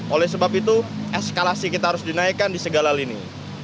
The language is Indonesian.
oleh sebab itu eskalasi kita harus dinaikkan di segala lini